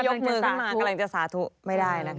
กำลังจะสาธุไม่ได้นะคะ